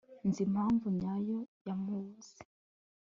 nzi impamvu nyayo yamubuze